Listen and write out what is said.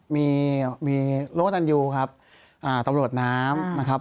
มีมีรถตันยูครับตำรวจน้ำนะครับ